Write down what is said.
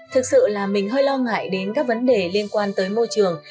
thực sự là mình hơi lo ngại đến các vấn đề liên quan tới môi trường